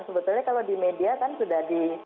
sebetulnya kalau di media kan sudah di